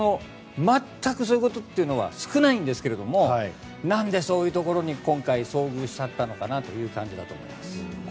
全くそういうことというのは少ないんですが何でそういうところに今回、遭遇しちゃったのかなという感じだと思います。